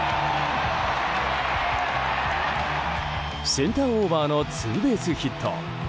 センターオーバーのツーベースヒット。